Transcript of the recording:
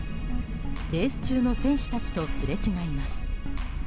レース中の選手たちとすれ違います。